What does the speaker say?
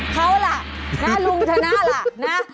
เขาล่ะลุงชนะล่ะ